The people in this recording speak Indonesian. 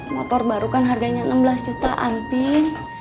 motor baru kan harganya enam belas jutaan pin